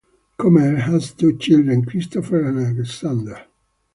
Comair has two children, Christopher and Alexander.